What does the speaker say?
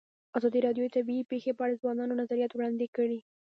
ازادي راډیو د طبیعي پېښې په اړه د ځوانانو نظریات وړاندې کړي.